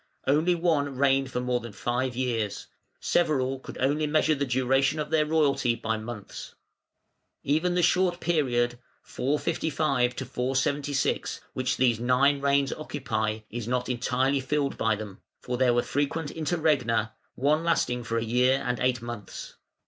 Only one reigned for more than five years; several could only measure the duration of their royalty by months. Even the short period (455 476) which these nine reigns occupy is not entirely filled by them, for there were frequent interregna, one lasting for a year and eight months.